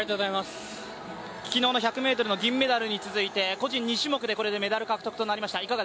昨日の１００ｍの銀メダルに続いて、個人で２種目めのメダルとなりました